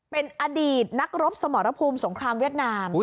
เป็นอดีตนักรบสมรภูมิสงครามเวียดนาม